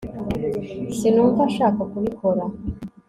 sinumva nshaka kubikora